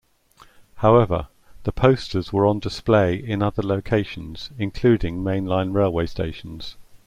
However, the posters were on display in other locations including mainline railway stations.